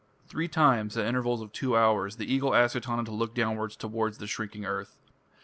Three times, at intervals of two hours, the Eagle asks Etana to look downwards towards the shrinking earth.